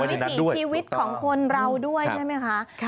วิถีชีวิตของคนเราด้วยใช่ไหมคะ